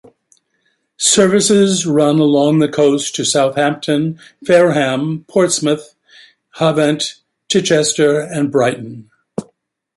Services run along the coast to Southampton, Fareham, Portsmouth, Havant, Chichester and Brighton.